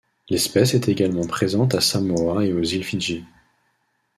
L'espèce est également présente à Samoa et aux îles Fidji.